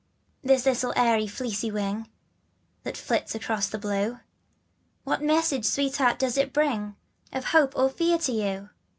This little airy fleecy wing, That flits across the blue, What message Sweetheart does it bring Of hope or fear to you?